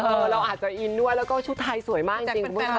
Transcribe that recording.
เราอาจจะอินด้วยแล้วก็ชุดไทยสวยมากจริงคุณผู้ชม